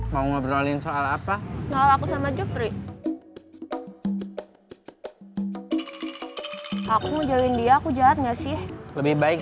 mau ngobrolin soal apa soal aku sama jokowi aku jauhin dia aku jahat nggak sih lebih baik